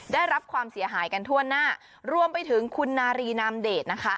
ได้รับความเสียหายกันทั่วหน้ารวมไปถึงคุณนารีนามเดชนะคะ